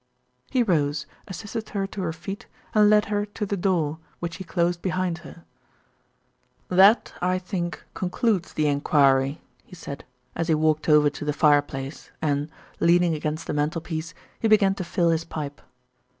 He rose, assisted her to her feet, and led her to the door, which he closed behind her. "That I think concludes the enquiry," he said, as he walked over to the fireplace and, leaning against the mantelpiece, he began to fill his pipe.